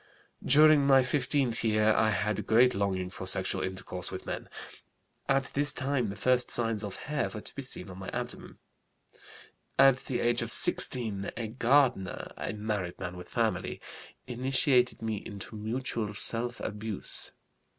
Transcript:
"During my fifteenth year I had great longing for sexual intercourse with men. At this time the first signs of hair were to be seen on my abdomen. "At the age of 16 a gardener, a married man with family, initiated me into mutual self abuse.